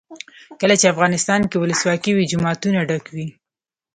کله چې افغانستان کې ولسواکي وي جوماتونه ډک وي.